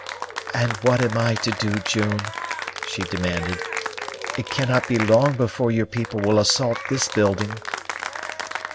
"And what am I to do, June?" she demanded. "It cannot be long before your people will assault this building."